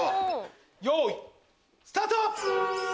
よいスタート！